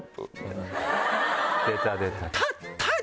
出た出た。